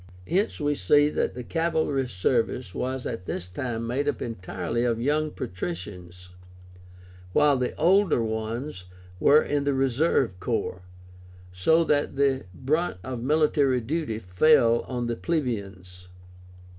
Hence we see that the cavalry service was at this time made up entirely of young patricians, while the older ones were in the reserve corps, so that the brunt of military duty fell on the plebeians.